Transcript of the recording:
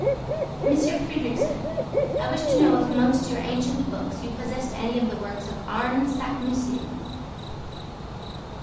"Monsieur Fridrikssen, I wished to know if amongst your ancient books you possessed any of the works of Arne Saknussemm?"